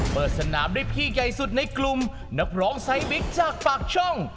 เปิดสนามด้วยพี่ใหญ่สุดในกลุ่มนักร้องไซสบิ๊กจากปากช่อง